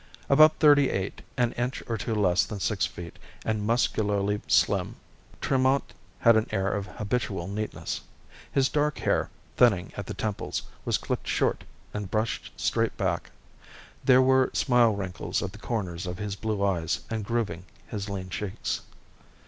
About thirty eight, an inch or two less than six feet and muscularly slim, Tremont had an air of habitual neatness. His dark hair, thinning at the temples, was clipped short and brushed straight back. There were smile wrinkles at the corners of his blue eyes and grooving his lean cheeks.